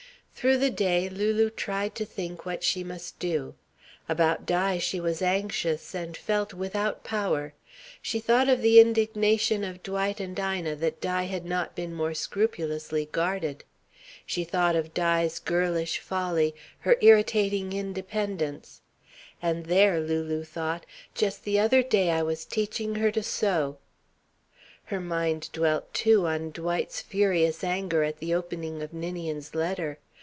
Through the day Lulu tried to think what she must do. About Di she was anxious and felt without power. She thought of the indignation of Dwight and Ina that Di had not been more scrupulously guarded. She thought of Di's girlish folly, her irritating independence "and there," Lulu thought, "just the other day I was teaching her to sew." Her mind dwelt too on Dwight's furious anger at the opening of Ninian's letter.